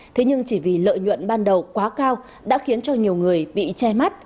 thế nhưng chỉ vì lợi nhuận ban đầu quá cao đã khiến cho nhiều người bị che mắt